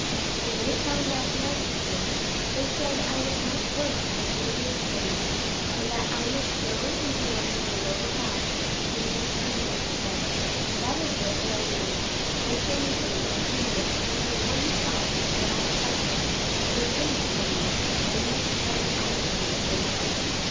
When they found out my weakness, they said I was not worth what they gave for me, and that I must go into one of the low cabs, and just be used up; that is what they are doing, whipping and working with never one thought of what I suffer they paid for me, and must get it out of me, they say.